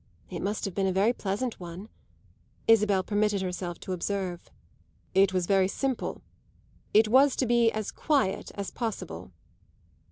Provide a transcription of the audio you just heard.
"It must have been a very pleasant one," Isabel permitted herself to observe. "It was very simple. It was to be as quiet as possible."